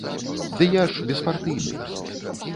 Ды я ж беспартыйны.